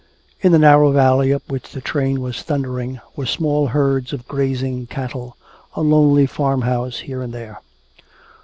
In the narrow valley up which the train was thundering, were small herds of grazing cattle, a lonely farmhouse here and there.